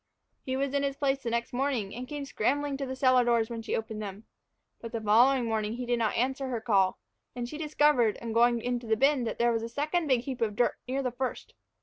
He was in his place next morning, and came scrambling to the cellar doors when she opened them. But the following morning he did not answer her call, and she discovered, on going into the bin, that there was a second big heap of dirt near the first.